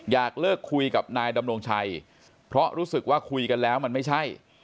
อยากเลิกคุยกับนายดำรงชัยเพราะรู้สึกว่าคุยกันแล้วมันไม่ใช่